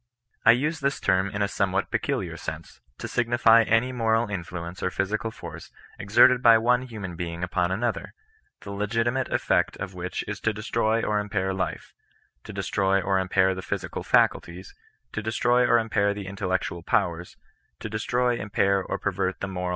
I use this term in a somewhat peculiar sense, to sig nify any moral influence or physical force exerted by one human being upon another, the legitimate ejfect of which is to destroy or impair lifcy to destroy or mipair the physical faculties^ to destroy or impair the inteUec tual powers f to destroy, impair, or pervert the mora^ a/u